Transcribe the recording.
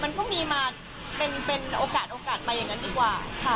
แต่ว่ามันก็มีมาเป็นโอกาสมาอย่างนั้นดีกว่าค่ะ